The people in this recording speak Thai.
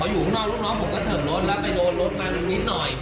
อยู่ข้างนอกลูกน้องผมก็เถิบรถแล้วไปโดนรถมันนิดหน่อย